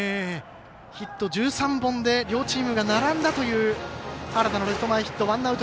ヒット１３本で両チームが並んだという原田のレフト前ヒット。